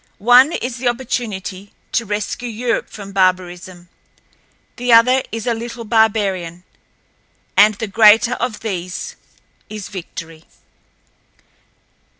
One is the opportunity to rescue Europe from barbarism, the other is a little barbarian, and the greater of these is—Victory.